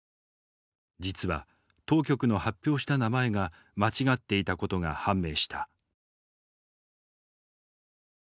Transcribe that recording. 実は当局の発表した名前が間違っていたことが判明した。